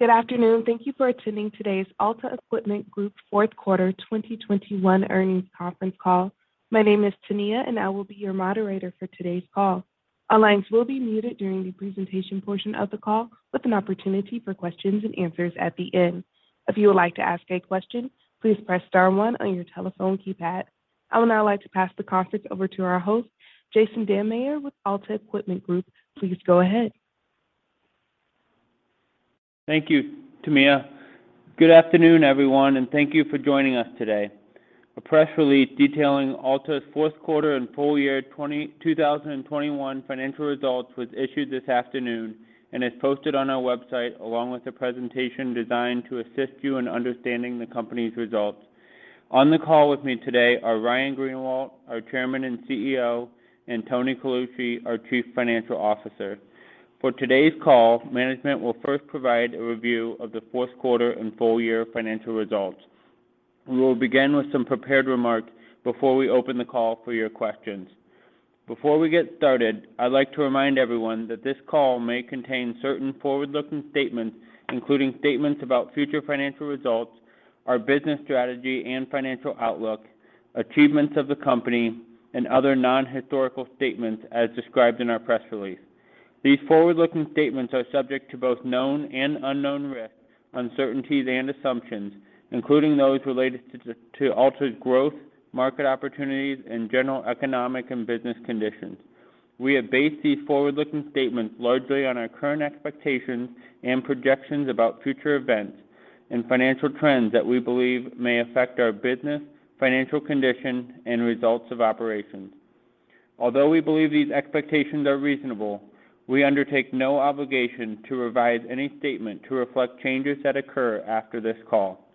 Good afternoon. Thank you for attending today's Alta Equipment Group fourth quarter 2021 earnings conference call. My name is Tamia, and I will be your moderator for today's call. All lines will be muted during the presentation portion of the call with an opportunity for questions and answers at the end. If you would like to ask a question, please press star one on your telephone keypad. I would now like to pass the conference over to our host, Jason Dammeyer with Alta Equipment Group. Please go ahead. Thank you, Tamia. Good afternoon, everyone, and thank you for joining us today. A press release detailing Alta's fourth quarter and full-year 2021 financial results was issued this afternoon and is posted on our website along with a presentation designed to assist you in understanding the company's results. On the call with me today are Ryan Greenawalt, our Chairman and CEO, and Tony Colucci, our Chief Financial Officer. For today's call, management will first provide a review of the fourth quarter and full-year financial results. We will begin with some prepared remarks before we open the call for your questions. Before we get started, I'd like to remind everyone that this call may contain certain forward-looking statements, including statements about future financial results, our business strategy and financial outlook, achievements of the company, and other non-historical statements as described in our press release. These forward-looking statements are subject to both known and unknown risks, uncertainties and assumptions, including those related to Alta's growth, market opportunities, and general economic and business conditions. We have based these forward-looking statements largely on our current expectations and projections about future events and financial trends that we believe may affect our business, financial condition, and results of operations. Although we believe these expectations are reasonable, we undertake no obligation to revise any statement to reflect changes that occur after this call.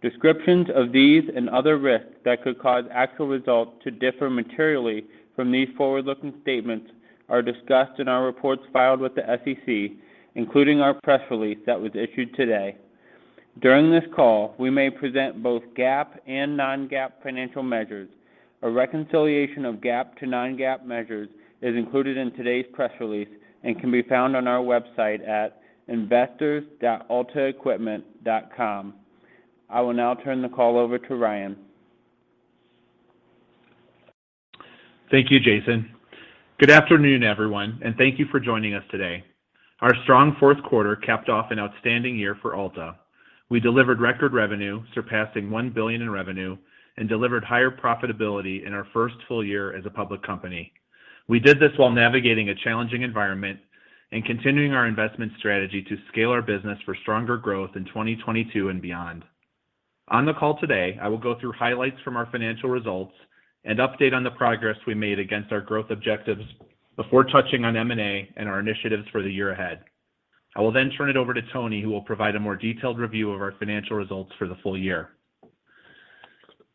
Descriptions of these and other risks that could cause actual results to differ materially from these forward-looking statements are discussed in our reports filed with the SEC, including our press release that was issued today. During this call, we may present both GAAP and non-GAAP financial measures. A reconciliation of GAAP to non-GAAP measures is included in today's press release and can be found on our website at investors.altaequipment.com. I will now turn the call over to Ryan. Thank you, Jason. Good afternoon, everyone, and thank you for joining us today. Our strong fourth quarter capped off an outstanding year for Alta. We delivered record revenue, surpassing $1 billion in revenue, and delivered higher profitability in our first full-year as a public company. We did this while navigating a challenging environment and continuing our investment strategy to scale our business for stronger growth in 2022 and beyond. On the call today, I will go through highlights from our financial results and update on the progress we made against our growth objectives before touching on M&A and our initiatives for the year ahead. I will then turn it over to Tony, who will provide a more detailed review of our financial results for the full-year.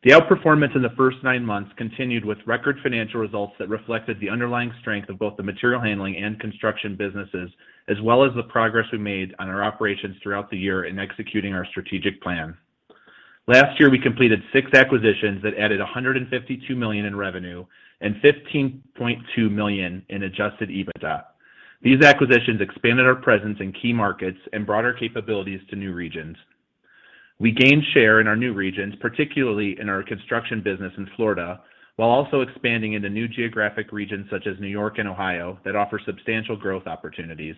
The outperformance in the first nine months continued with record financial results that reflected the underlying strength of both the material handling and construction businesses, as well as the progress we made on our operations throughout the year in executing our strategic plan. Last year, we completed six acquisitions that added $152 million in revenue and $15.2 million in adjusted EBITDA. These acquisitions expanded our presence in key markets and brought our capabilities to new regions. We gained share in our new regions, particularly in our construction business in Florida, while also expanding into new geographic regions such as New York and Ohio that offer substantial growth opportunities.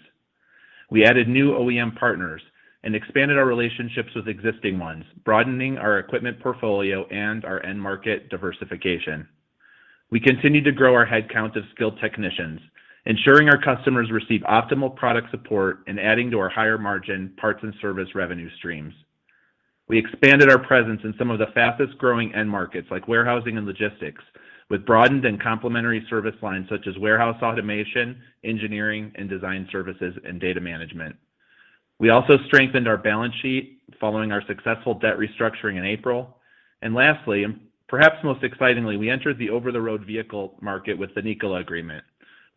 We added new OEM partners and expanded our relationships with existing ones, broadening our equipment portfolio and our end market diversification. We continued to grow our headcount of skilled technicians, ensuring our customers receive optimal product support and adding to our higher margin parts and service revenue streams. We expanded our presence in some of the fastest-growing end markets like warehousing and logistics with broadened and complementary service lines such as warehouse automation, engineering and design services, and data management. We also strengthened our balance sheet following our successful debt restructuring in April. Lastly, and perhaps most excitingly, we entered the over-the-road vehicle market with the Nikola agreement.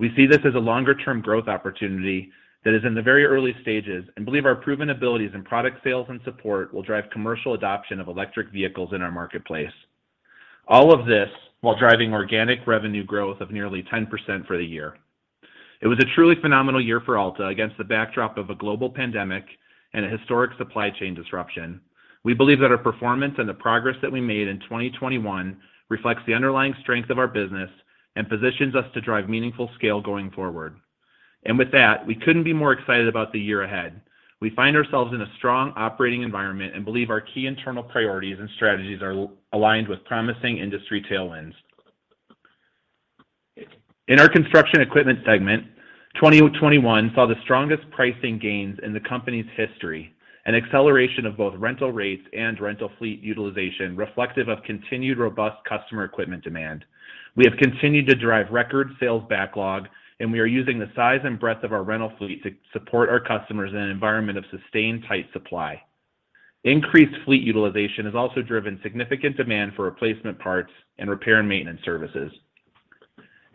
We see this as a longer-term growth opportunity that is in the very early stages and believe our proven abilities in product sales and support will drive commercial adoption of electric vehicles in our marketplace. All of this while driving organic revenue growth of nearly 10% for the year. It was a truly phenomenal year for Alta against the backdrop of a global pandemic and a historic supply chain disruption. We believe that our performance and the progress that we made in 2021 reflects the underlying strength of our business and positions us to drive meaningful scale going forward. With that, we couldn't be more excited about the year ahead. We find ourselves in a strong operating environment and believe our key internal priorities and strategies are aligned with promising industry tailwinds. In our construction equipment segment, 2021 saw the strongest pricing gains in the company's history, an acceleration of both rental rates and rental fleet utilization reflective of continued robust customer equipment demand. We have continued to drive record sales backlog, and we are using the size and breadth of our rental fleet to support our customers in an environment of sustained tight supply. Increased fleet utilization has also driven significant demand for replacement parts and repair and maintenance services.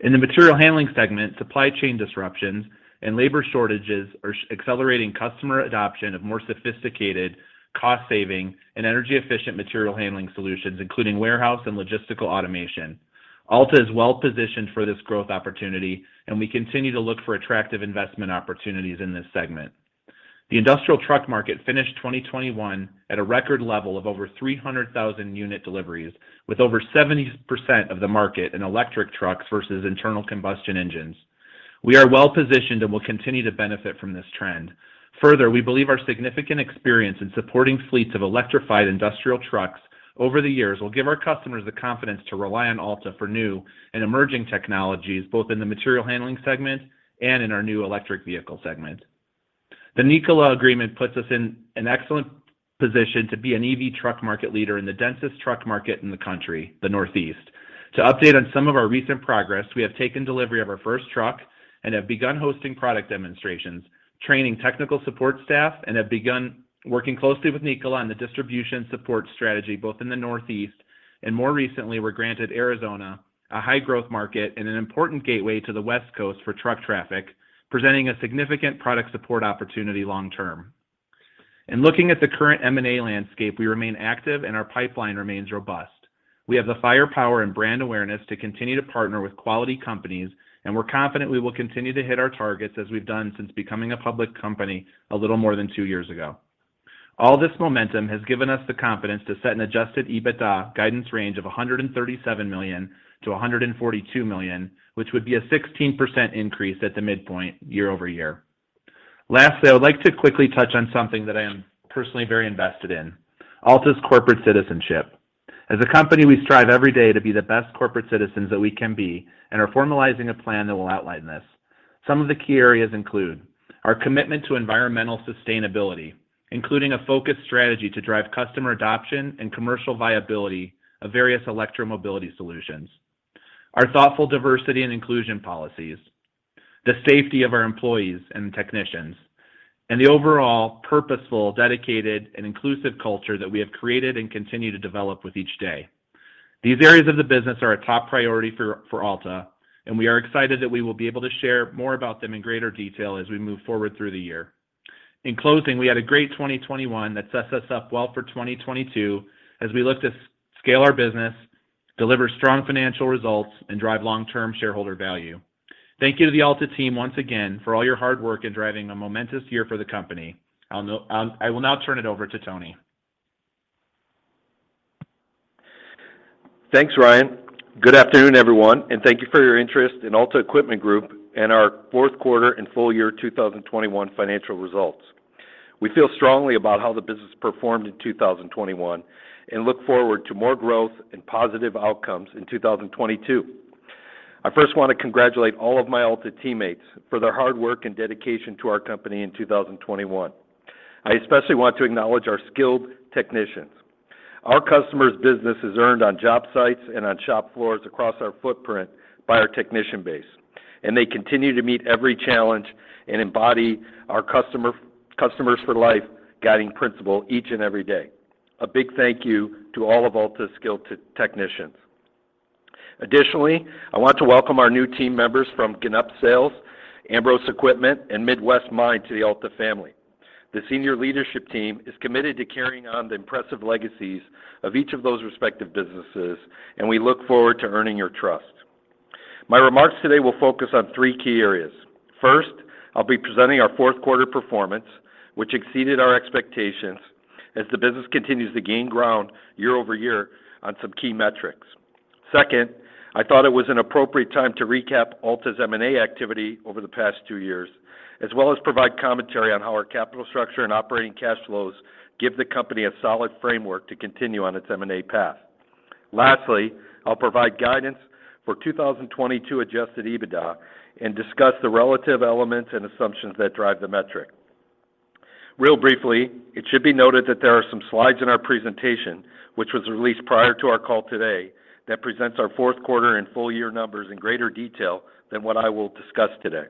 In the material handling segment, supply chain disruptions and labor shortages are accelerating customer adoption of more sophisticated cost-saving and energy-efficient material handling solutions, including warehouse and logistical automation. Alta is well positioned for this growth opportunity, and we continue to look for attractive investment opportunities in this segment. The industrial truck market finished 2021 at a record level of over 300,000 unit deliveries, with over 70% of the market in electric trucks versus internal combustion engines. We are well-positioned and will continue to benefit from this trend. Further, we believe our significant experience in supporting fleets of electrified industrial trucks over the years will give our customers the confidence to rely on Alta for new and emerging technologies, both in the material handling segment and in our new electric vehicle segment. The Nikola agreement puts us in an excellent position to be an EV truck market leader in the densest truck market in the country, the Northeast. To update on some of our recent progress, we have taken delivery of our first truck and have begun hosting product demonstrations, training technical support staff, and have begun working closely with Nikola on the distribution support strategy, both in the Northeast and more recently, we were granted Arizona, a high-growth market and an important gateway to the West Coast for truck traffic, presenting a significant product support opportunity long-term. In looking at the current M&A landscape, we remain active and our pipeline remains robust. We have the firepower and brand awareness to continue to partner with quality companies, and we're confident we will continue to hit our targets as we've done since becoming a public company a little more than two years ago. All this momentum has given us the confidence to set an adjusted EBITDA guidance range of $137 million-$142 million, which would be a 16% increase at the midpoint year-over-year. Lastly, I would like to quickly touch on something that I am personally very invested in, Alta's corporate citizenship. As a company, we strive every day to be the best corporate citizens that we can be and are formalizing a plan that will outline this. Some of the key areas include our commitment to environmental sustainability, including a focused strategy to drive customer adoption and commercial viability of various electromobility solutions, our thoughtful diversity and inclusion policies, the safety of our employees and technicians, and the overall purposeful, dedicated, and inclusive culture that we have created and continue to develop with each day. These areas of the business are a top priority for Alta, and we are excited that we will be able to share more about them in greater detail as we move forward through the year. In closing, we had a great 2021 that sets us up well for 2022 as we look to scale our business, deliver strong financial results, and drive long-term shareholder value. Thank you to the Alta team once again for all your hard work in driving a momentous year for the company. I will now turn it over to Tony. Thanks, Ryan. Good afternoon, everyone, and thank you for your interest in Alta Equipment Group and our fourth quarter and full-year 2021 financial results. We feel strongly about how the business performed in 2021 and look forward to more growth and positive outcomes in 2022. I first wanna congratulate all of my Alta teammates for their hard work and dedication to our company in 2021. I especially want to acknowledge our skilled technicians. Our customers' business is earned on job sites and on shop floors across our footprint by our technician base, and they continue to meet every challenge and embody our customers for life guiding principle each and every day. A big thank you to all of Alta's skilled technicians. Additionally, I want to welcome our new team members from Ginop Sales, Ambrose Equipment, and Midwest Mine Services to the Alta family. The senior leadership team is committed to carrying on the impressive legacies of each of those respective businesses, and we look forward to earning your trust. My remarks today will focus on three key areas. First, I'll be presenting our fourth quarter performance, which exceeded our expectations as the business continues to gain ground year-over-year on some key metrics. Second, I thought it was an appropriate time to recap Alta's M&A activity over the past two years, as well as provide commentary on how our capital structure and operating cash flows give the company a solid framework to continue on its M&A path. Lastly, I'll provide guidance for 2022 adjusted EBITDA and discuss the relative elements and assumptions that drive the metric. Real briefly, it should be noted that there are some slides in our presentation which was released prior to our call today that presents our fourth quarter and full-year numbers in greater detail than what I will discuss today.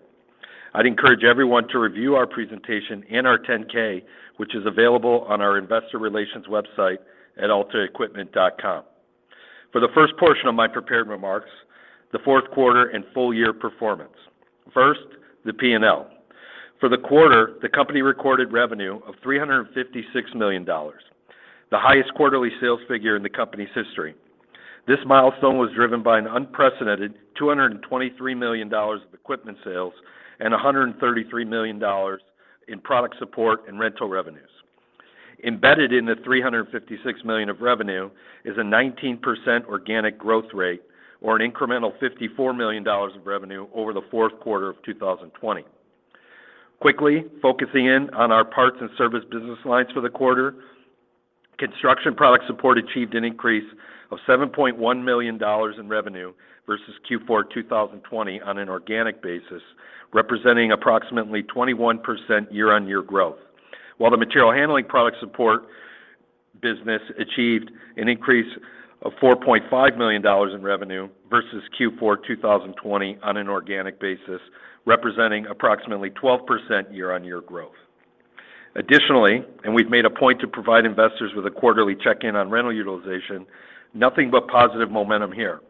I'd encourage everyone to review our presentation and our 10-K, which is available on our investor relations website at altaequipment.com. For the first portion of my prepared remarks, the fourth quarter and full-year performance. First, the P&L. For the quarter, the company recorded revenue of $356 million, the highest quarterly sales figure in the company's history. This milestone was driven by an unprecedented $223 million of equipment sales and $133 million in product support and rental revenues. Embedded in the $356 million of revenue is a 19% organic growth rate or an incremental $54 million of revenue over the fourth quarter of 2020. Quickly focusing in on our parts and service business lines for the quarter, construction product support achieved an increase of $7.1 million in revenue versus Q4 2020 on an organic basis, representing approximately 21% year-on-year growth. While the material handling product support business achieved an increase of $4.5 million in revenue versus Q4 2020 on an organic basis, representing approximately 12% year-on-year growth. Additionally, we've made a point to provide investors with a quarterly check-in on rental utilization, nothing but positive momentum here,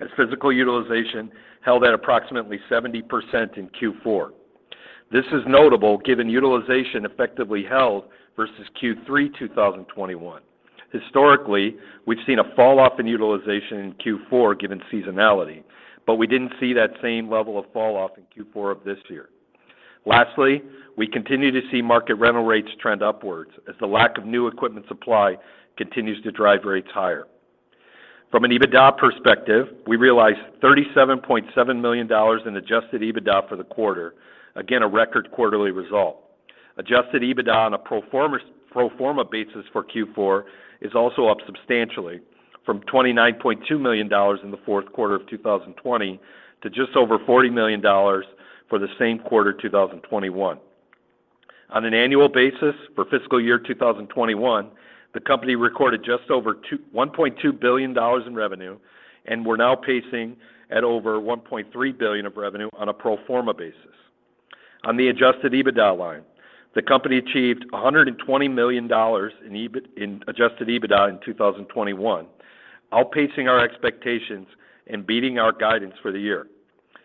as physical utilization held at approximately 70% in Q4. This is notable given utilization effectively held versus Q3 2021. Historically, we've seen a fall off in utilization in Q4 given seasonality, but we didn't see that same level of fall off in Q4 of this year. Lastly, we continue to see market rental rates trend upwards as the lack of new equipment supply continues to drive rates higher. From an EBITDA perspective, we realized $37.7 million in adjusted EBITDA for the quarter. Again, a record quarterly result. Adjusted EBITDA on a pro forma, pro forma basis for Q4 is also up substantially from $29.2 million in the fourth quarter of 2020 to just over $40 million for the same quarter 2021. On an annual basis for fiscal year 2021, the company recorded just over $1.2 billion in revenue, and we're now pacing at over $1.3 billion of revenue on a pro forma basis. On the adjusted EBITDA line, the company achieved $120 million in adjusted EBITDA in 2021, outpacing our expectations and beating our guidance for the year.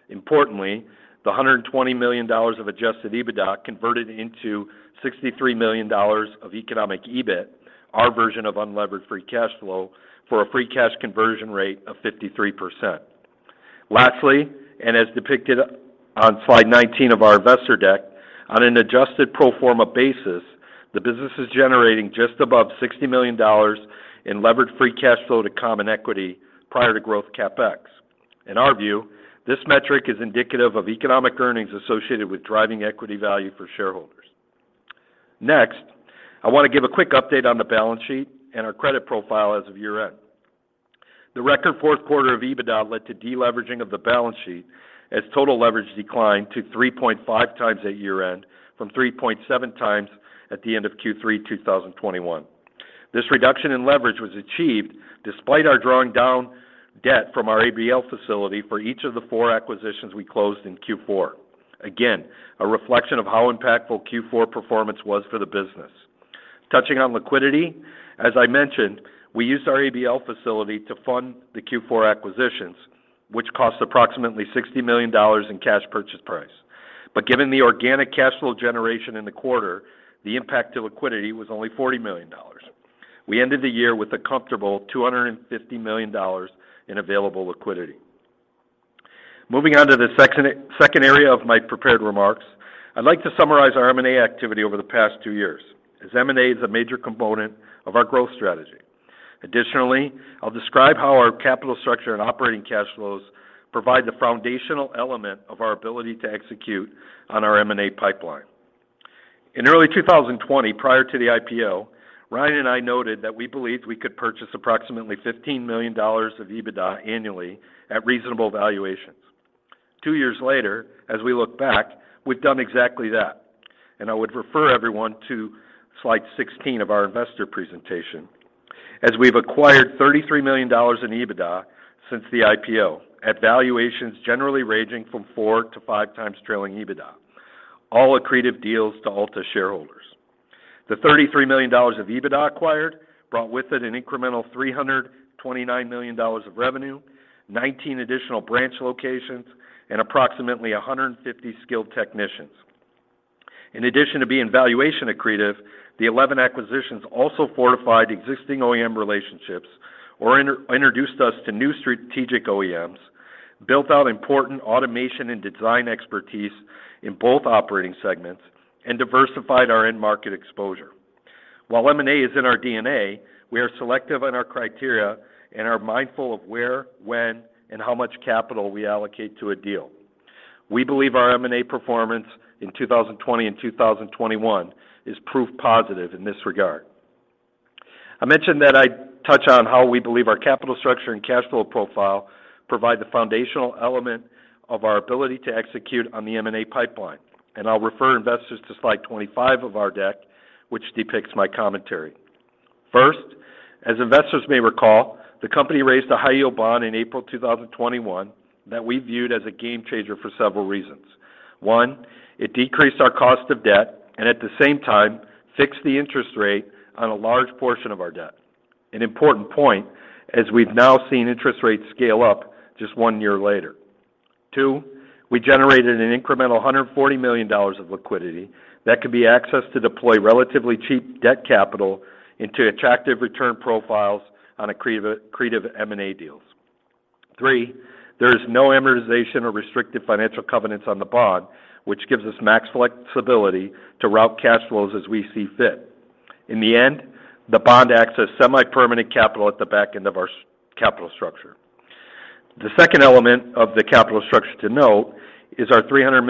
Importantly, the $120 million of adjusted EBITDA converted into $63 million of economic EBIT, our version of unlevered free cash flow for a free cash conversion rate of 53%. Lastly, as depicted on slide 19 of our investor deck, on an adjusted pro forma basis, the business is generating just above $60 million in levered free cash flow to common equity prior to growth CapEx. In our view, this metric is indicative of economic earnings associated with driving equity value for shareholders. Next, I want to give a quick update on the balance sheet and our credit profile as of year-end. The record fourth quarter of EBITDA led to deleveraging of the balance sheet as total leverage declined to 3.5 times at year-end from 3.7 times at the end of Q3 2021. This reduction in leverage was achieved despite our drawing down debt from our ABL facility for each of the 4 acquisitions we closed in Q4. Again, a reflection of how impactful Q4 performance was for the business. Touching on liquidity, as I mentioned, we used our ABL facility to fund the Q4 acquisitions, which cost approximately $60 million in cash purchase price. Given the organic cash flow generation in the quarter, the impact to liquidity was only $40 million. We ended the year with a comfortable $250 million in available liquidity. Moving on to the second area of my prepared remarks, I'd like to summarize our M&A activity over the past two years as M&A is a major component of our growth strategy. Additionally, I'll describe how our capital structure and operating cash flows provide the foundational element of our ability to execute on our M&A pipeline. In early 2020, prior to the IPO, Ryan and I noted that we believed we could purchase approximately $15 million of EBITDA annually at reasonable valuations. Two years later, as we look back, we've done exactly that, and I would refer everyone to slide 16 of our investor presentation. As we've acquired $33 million in EBITDA since the IPO at valuations generally ranging from four to 5x trailing EBITDA, all accretive deals to Alta shareholders. The $33 million of EBITDA acquired brought with it an incremental $329 million of revenue, 19 additional branch locations, and approximately 150 skilled technicians. In addition to being valuation accretive, the 11 acquisitions also fortified existing OEM relationships or introduced us to new strategic OEMs, built out important automation and design expertise in both operating segments, and diversified our end market exposure. While M&A is in our DNA, we are selective in our criteria and are mindful of where, when, and how much capital we allocate to a deal. We believe our M&A performance in 2020 and 2021 is proof positive in this regard. I mentioned that I'd touch on how we believe our capital structure and cash flow profile provide the foundational element of our ability to execute on the M&A pipeline. I'll refer investors to slide 25 of our deck, which depicts my commentary. First, as investors may recall, the company raised a high-yield bond in April 2021 that we viewed as a game changer for several reasons. One, it decreased our cost of debt and at the same time fixed the interest rate on a large portion of our debt. An important point as we've now seen interest rates scale up just one year later. Two, we generated an incremental $140 million of liquidity that could be accessed to deploy relatively cheap debt capital into attractive return profiles on accretive M&A deals. Three, there is no amortization or restricted financial covenants on the bond, which gives us max flexibility to route cash flows as we see fit. In the end, the bond acts as semi-permanent capital at the back end of our capital structure. The second element of the capital structure to note is our $350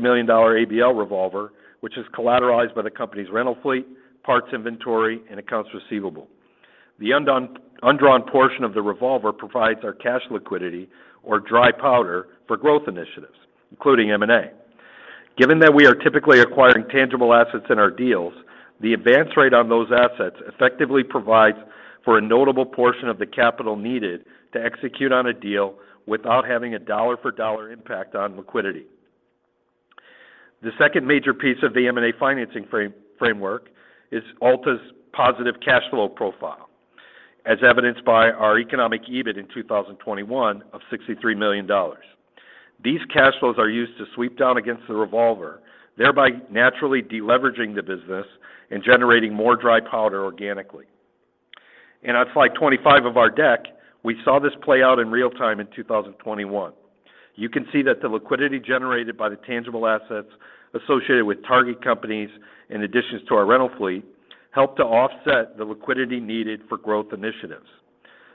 million ABL revolver, which is collateralized by the company's rental fleet, parts inventory, and accounts receivable. The undrawn portion of the revolver provides our cash liquidity or dry powder for growth initiatives, including M&A. Given that we are typically acquiring tangible assets in our deals, the advance rate on those assets effectively provides for a notable portion of the capital needed to execute on a deal without having a dollar for dollar impact on liquidity. The second major piece of the M&A financing framework is Alta's positive cash flow profile. As evidenced by our economic EBIT in 2021 of $63 million. These cash flows are used to sweep down against the revolver, thereby naturally de-leveraging the business and generating more dry powder organically. In our slide 25 of our deck, we saw this play out in real time in 2021. You can see that the liquidity generated by the tangible assets associated with target companies, in addition to our rental fleet, helped to offset the liquidity needed for growth initiatives.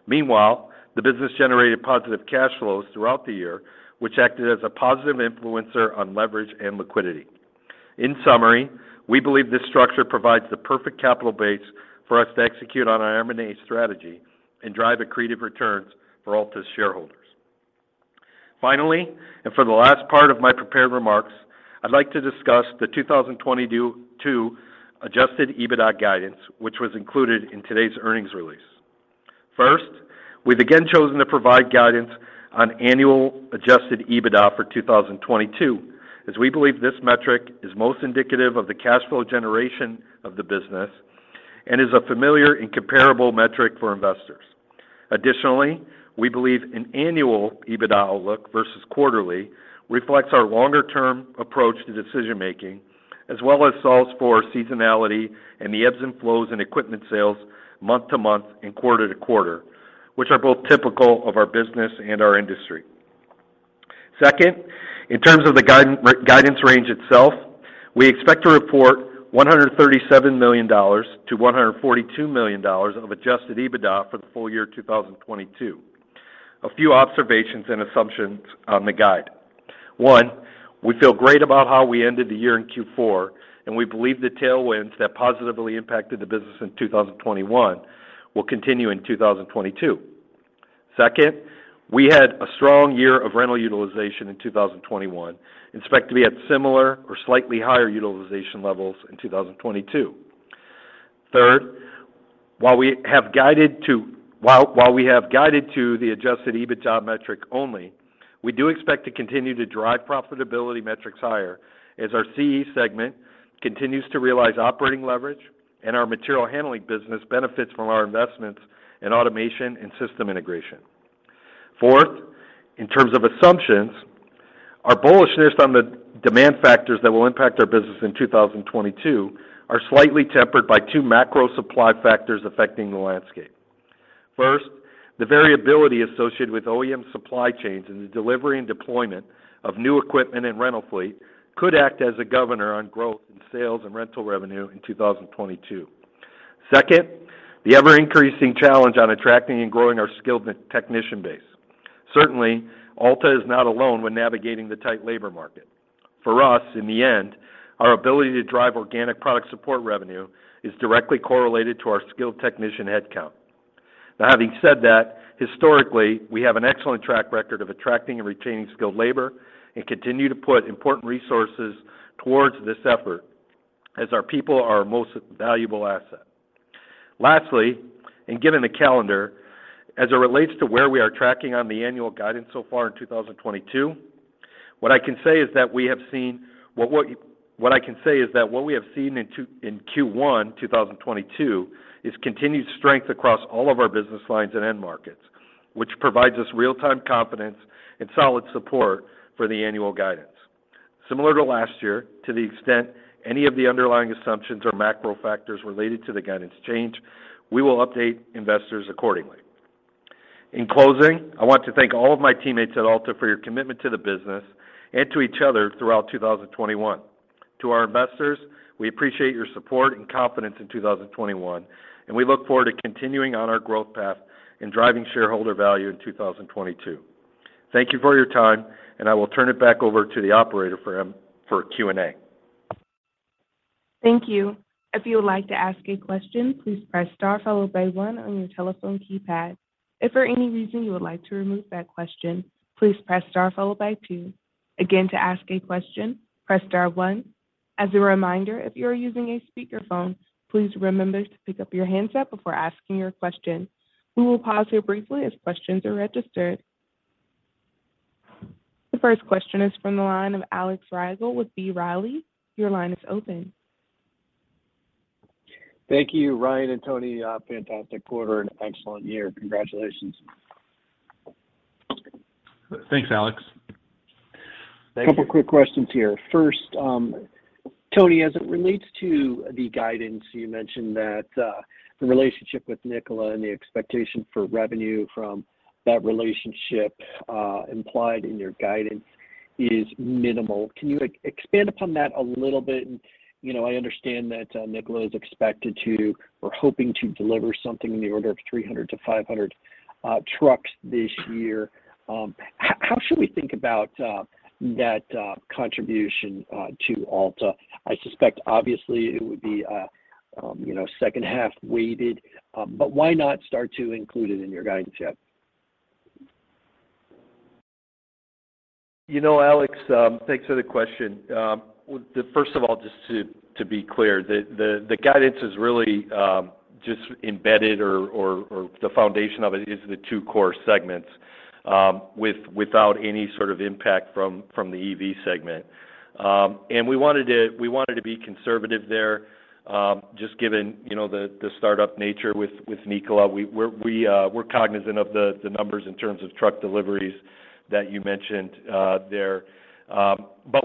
Meanwhile, the business generated positive cash flows throughout the year, which acted as a positive influencer on leverage and liquidity. In summary, we believe this structure provides the perfect capital base for us to execute on our M&A strategy and drive accretive returns for Alta's shareholders. Finally, for the last part of my prepared remarks, I'd like to discuss the 2022 adjusted EBITDA guidance, which was included in today's earnings release. First, we've again chosen to provide guidance on annual adjusted EBITDA for 2022, as we believe this metric is most indicative of the cash flow generation of the business and is a familiar and comparable metric for investors. Additionally, we believe an annual EBITDA outlook versus quarterly reflects our longer-term approach to decision-making as well as solves for seasonality and the ebbs and flows in equipment sales month-to-month and quarter-t-quarter, which are both typical of our business and our industry. Second, in terms of the guidance range itself, we expect to report $137 million-$142 million of adjusted EBITDA for the full-year 2022. A few observations and assumptions on the guide. One, we feel great about how we ended the year in Q4, and we believe the tailwinds that positively impacted the business in 2021 will continue in 2022. Second, we had a strong year of rental utilization in 2021 and expect to be at similar or slightly higher utilization levels in 2022. Third, while we have guided to the adjusted EBITDA metric only, we do expect to continue to drive profitability metrics higher as our CE segment continues to realize operating leverage and our material handling business benefits from our investments in automation and system integration. Fourth, in terms of assumptions, our bullishness on the demand factors that will impact our business in 2022 are slightly tempered by two macro supply factors affecting the landscape. First, the variability associated with OEM supply chains and the delivery and deployment of new equipment and rental fleet could act as a governor on growth in sales and rental revenue in 2022. Second, the ever-increasing challenge on attracting and growing our skilled technician base. Certainly, Alta is not alone when navigating the tight labor market. For us, in the end, our ability to drive organic product support revenue is directly correlated to our skilled technician headcount. Now, having said that, historically, we have an excellent track record of attracting and retaining skilled labor and continue to put important resources towards this effort as our people are our most valuable asset. Lastly, given the calendar, as it relates to where we are tracking on the annual guidance so far in 2022, what I can say is that we have seen in Q1 2022 is continued strength across all of our business lines and end markets, which provides us real-time confidence and solid support for the annual guidance. Similar to last year, to the extent any of the underlying assumptions or macro factors related to the guidance change, we will update investors accordingly. In closing, I want to thank all of my teammates at Alta for your commitment to the business and to each other throughout 2021. To our investors, we appreciate your support and confidence in 2021, and we look forward to continuing on our growth path and driving shareholder value in 2022. Thank you for your time, and I will turn it back over to the operator for Q&A. Thank you. If you would like to ask a question, please press star followed by one on your telephone keypad. If for any reason you would like to remove that question, please press star followed by two. Again, to ask a question, press star one. As a reminder, if you are using a speakerphone, please remember to pick up your handset before asking your question. We will pause here briefly as questions are registered. The first question is from the line of Alex Rygiel with B. Riley. Your line is open. Thank you, Ryan and Tony. Fantastic quarter and excellent year. Congratulations. Thanks, Alex. Thank you. A couple of quick questions here. First, Tony, as it relates to the guidance, you mentioned that the relationship with Nikola and the expectation for revenue from that relationship implied in your guidance is minimal. Can you expand upon that a little bit? You know, I understand that Nikola is expected to or hoping to deliver something in the order of 300-500 trucks this year. How should we think about that contribution to Alta? I suspect obviously it would be you know, second half weighted. Why not start to include it in your guidance yet? You know, Alex, thanks for the question. Well, first of all, just to be clear, the guidance is really just embedded or the foundation of it is the two core segments. Without any sort of impact from the EV segment. We wanted to be conservative there, just given, you know, the startup nature with Nikola. We're cognizant of the numbers in terms of truck deliveries that you mentioned there.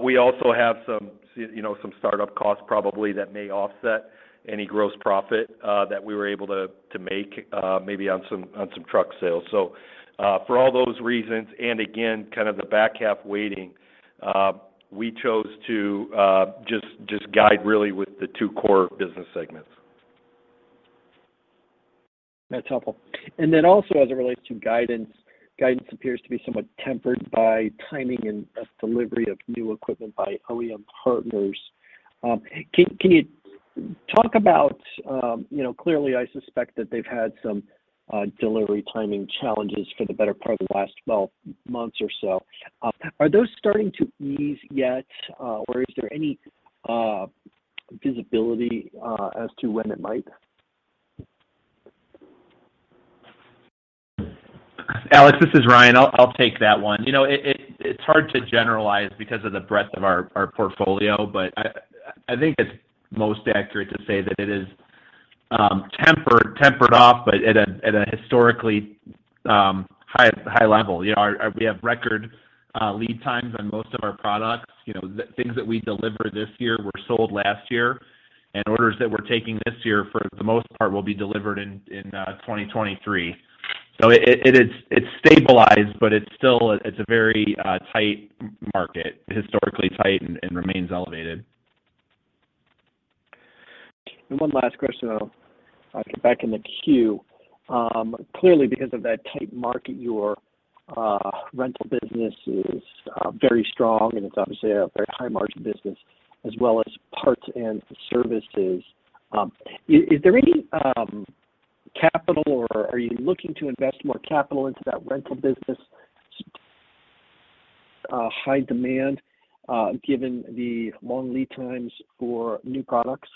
We also have some, you know, some startup costs probably that may offset any gross profit that we were able to make, maybe on some truck sales. For all those reasons, and again, kind of the back half weighting, we chose to just guide really with the two core business segments. That's helpful. As it relates to guidance appears to be somewhat tempered by timing and thus delivery of new equipment by OEM partners. Can you talk about, you know, clearly I suspect that they've had some delivery timing challenges for the better part of the last 12 months or so. Are those starting to ease yet, or is there any visibility as to when it might? Alex, this is Ryan. I'll take that one. You know, it's hard to generalize because of the breadth of our portfolio, but I think it's most accurate to say that it is tempered off but at a historically high level. You know, we have record lead times on most of our products. You know, things that we delivered this year were sold last year, and orders that we're taking this year for the most part will be delivered in 2023. It's stabilized, but it's still a very tight market, historically tight and remains elevated. One last question, I'll get back in the queue. Clearly because of that tight market, your rental business is very strong, and it's obviously a very high margin business as well as parts and services. Is there any capital or are you looking to invest more capital into that rental business, high demand, given the long lead times for new products?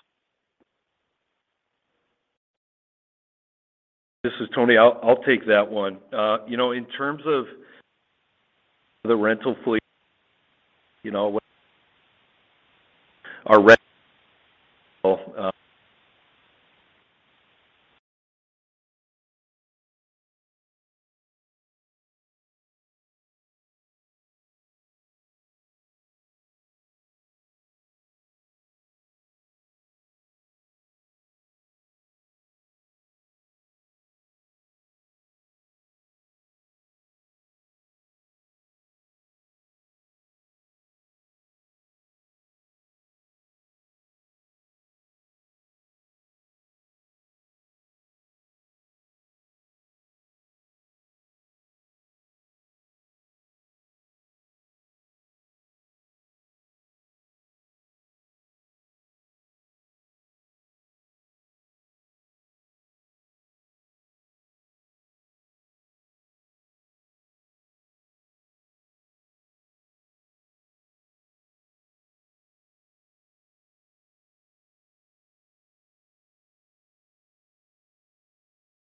This is Tony. I'll take that one. You know, in terms of the rental fleet, you know, our re-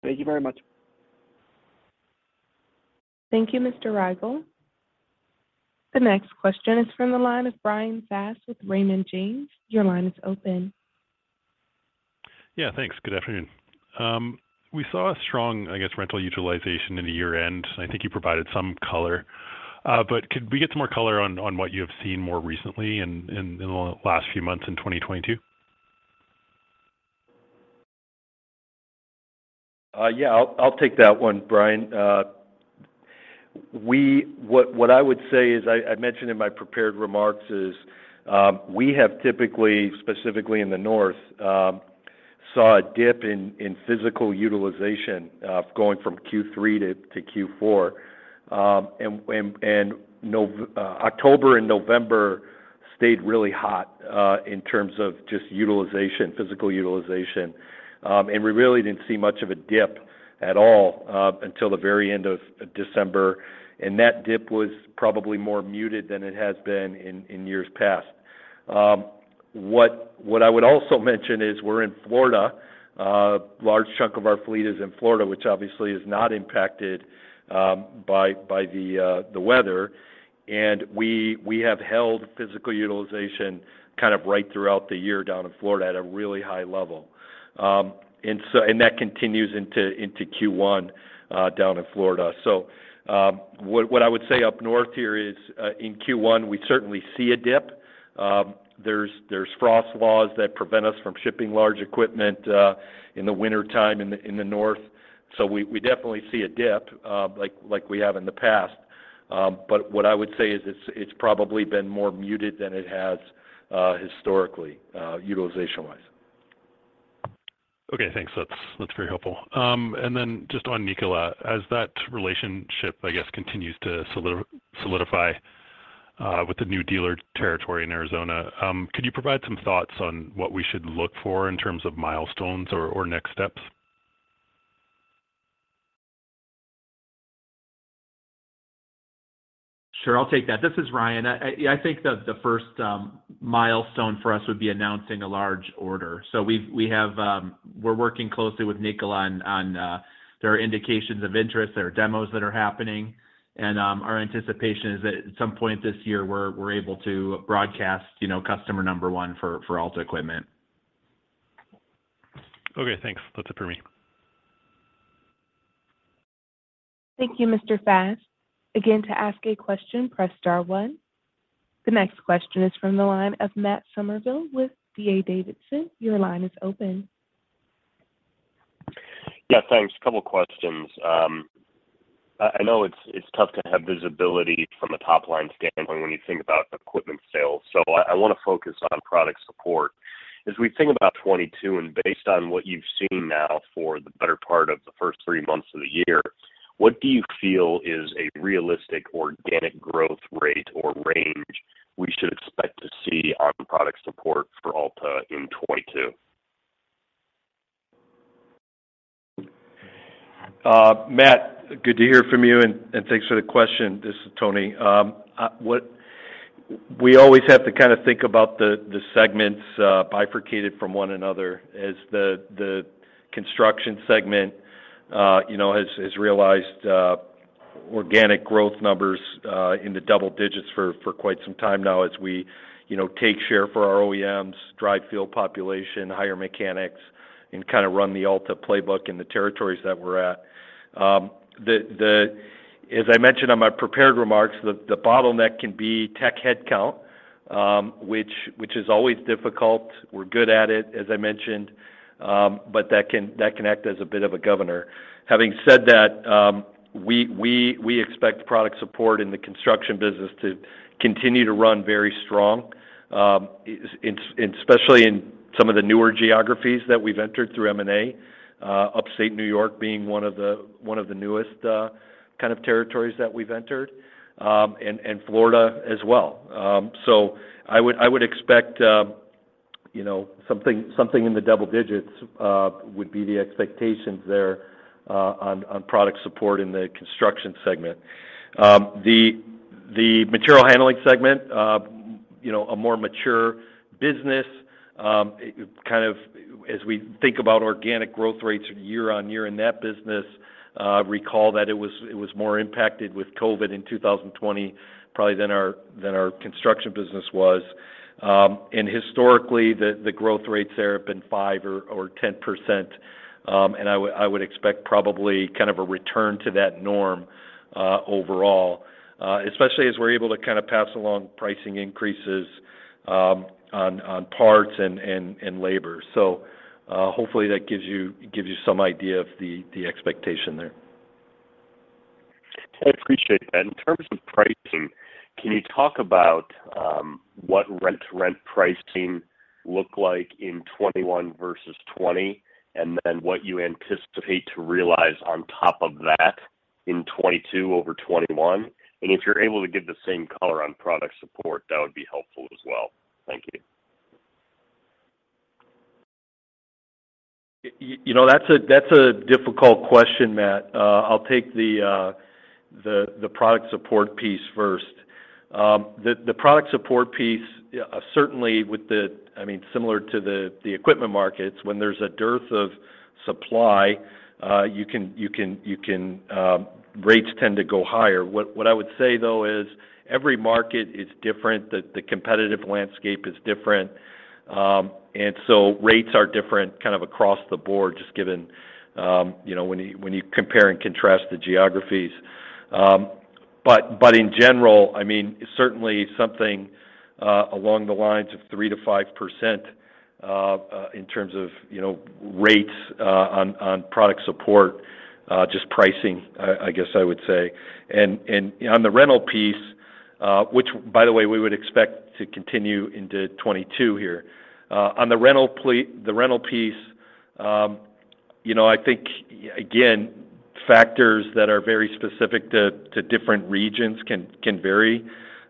Thank you very much. Thank you, Mr. Rygiel. The next question is from the line of Bryan Fast with Raymond James. Your line is open. Yeah, thanks. Good afternoon. We saw a strong, I guess, rental utilization in the year-end. I think you provided some color, but could we get some more color on what you have seen more recently in the last few months in 2022? Yeah. I'll take that one, Brian. What I would say is I mentioned in my prepared remarks is we have typically, specifically in the North, saw a dip in physical utilization going from Q3 to Q4. October and November stayed really hot in terms of just utilization, physical utilization. We really didn't see much of a dip at all until the very end of December, and that dip was probably more muted than it has been in years past. What I would also mention is we're in Florida. Large chunk of our fleet is in Florida, which obviously is not impacted by the weather. We have held physical utilization kind of right throughout the year down in Florida at a really high level. That continues into Q1 down in Florida. What I would say up north here is in Q1 we certainly see a dip. There's frost laws that prevent us from shipping large equipment in the wintertime in the north. We definitely see a dip like we have in the past. What I would say is it's probably been more muted than it has historically utilization-wise. Okay, thanks. That's very helpful. Just on Nikola, as that relationship, I guess, continues to solidify, with the new dealer territory in Arizona, could you provide some thoughts on what we should look for in terms of milestones or next steps? Sure, I'll take that. This is Ryan. Yeah, I think the first milestone for us would be announcing a large order. We're working closely with Nikola. There are indications of interest, there are demos that are happening. Our anticipation is that at some point this year we're able to broadcast, you know, customer number one for Alta Equipment. Okay, thanks. That's it for me. Thank you, Mr. Fast. Again, to ask a question, press star one. The next question is from the line of Matt Summerville with D.A. Davidson. Your line is open. Yeah, thanks. A couple questions. I know it's tough to have visibility from a top-line standpoint when you think about equipment sales, so I wanna focus on product support. As we think about 2022, and based on what you've seen now for the better part of the first three months of the year, what do you feel is a realistic organic growth rate or range we should expect to see on product support for Alta in 2022? Matt, good to hear from you, and thanks for the question. This is Tony. We always have to kinda think about the segments bifurcated from one another. As the construction segment, you know, has realized organic growth numbers in the double digits for quite some time now as we, you know, take share for our OEMs, drive field population, hire mechanics, and kinda run the Alta playbook in the territories that we're at. As I mentioned on my prepared remarks, the bottleneck can be tech headcount, which is always difficult. We're good at it, as I mentioned, but that can act as a bit of a governor. Having said that, we expect product support in the construction business to continue to run very strong. Especially in some of the newer geographies that we've entered through M&A, upstate New York being one of the newest kind of territories that we've entered, and Florida as well. I would expect, you know, something in the double digits would be the expectations there, on product support in the Construction segment. The Material Handling segment, you know, a more mature business. Kind of as we think about organic growth rates year-on-year in that business, recall that it was more impacted with COVID in 2020 probably than our Construction business was. Historically, the growth rates there have been 5% or 10%, and I would expect probably kind of a return to that norm, overall, especially as we're able to kinda pass along pricing increases, on parts and labor. Hopefully that gives you some idea of the expectation there. I appreciate that. In terms of pricing, can you talk about what rent-to-rent pricing looked like in 2021 versus 2020, and then what you anticipate to realize on top of that in 2022 over 2021? If you're able to give the same color on product support, that would be helpful as well. Thank you. You know, that's a difficult question, Matt. I'll take the product support piece first. I mean, similar to the equipment markets, when there's a dearth of supply, rates tend to go higher. What I would say though is every market is different. The competitive landscape is different. Rates are different kind of across the board, just given you know, when you compare and contrast the geographies. In general, I mean, certainly something along the lines of 3%-5% in terms of you know, rates on product support just pricing, I guess I would say. On the rental piece, which by the way, we would expect to continue into 2022 here. On the rental piece, you know, I think, again, factors that are very specific to different regions can vary.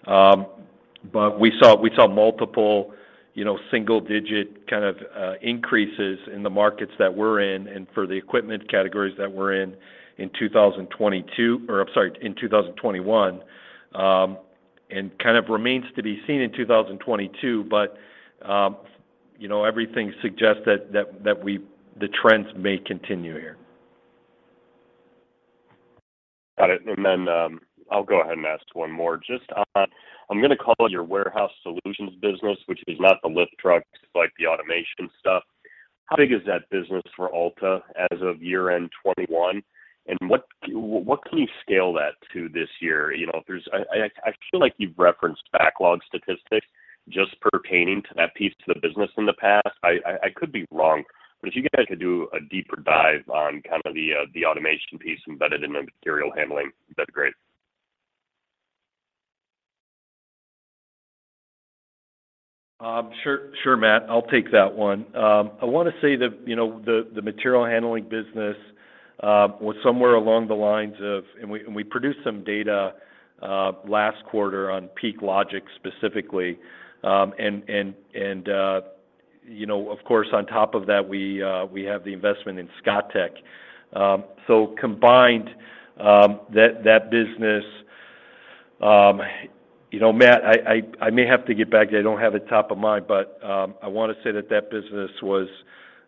But we saw multiple, you know, single-digit kind of increases in the markets that we're in and for the equipment categories that we're in in 2021. It kind of remains to be seen in 2022, but you know, everything suggests that the trends may continue here. Got it. I'll go ahead and ask one more. Just on, I'm gonna call it your warehouse solutions business, which is not the lift trucks, like the automation stuff. How big is that business for Alta as of year-end 2021? What can you scale that to this year? You know, I feel like you've referenced backlog statistics just pertaining to that piece of the business in the past. I could be wrong, but if you guys could do a deeper dive on kind of the automation piece embedded in the material handling, that'd be great. Sure, Matt. I'll take that one. I wanna say that, you know, the material handling business was somewhere along the lines of. We produced some data last quarter on PeakLogix specifically. You know, of course, on top of that, we have the investment in ScottTech. So combined, that business. You know, Matt, I may have to get back to you. I don't have it top of mind. I wanna say that that business was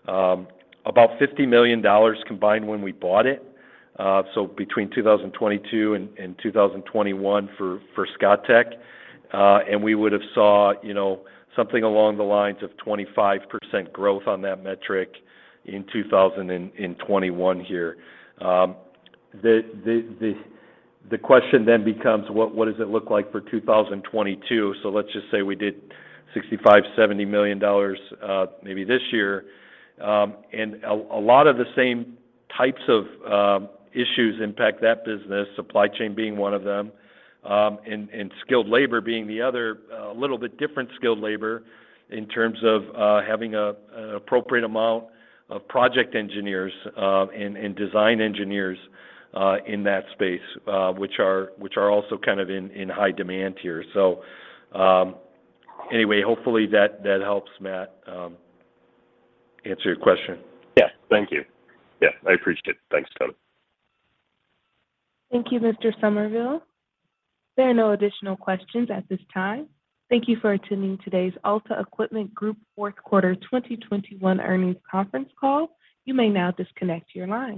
about $50 million combined when we bought it, so between 2022 and 2021 for ScottTech. We would've saw, you know, something along the lines of 25% growth on that metric in 2021 here. The question then becomes: What does it look like for 2022? Let's just say we did $65 million-$70 million maybe this year. And a lot of the same types of issues impact that business, supply chain being one of them, and skilled labor being the other, a little bit different skilled labor in terms of having an appropriate amount of project engineers, and design engineers in that space, which are also kind of in high demand here. Anyway, hopefully that helps, Matt, answer your question. Yeah. Thank you. Yeah, I appreciate it. Thanks, Tony. Thank you, Mr. Summerville. There are no additional questions at this time. Thank you for attending today's Alta Equipment Group fourth quarter 2021 earnings conference call. You may now disconnect your line.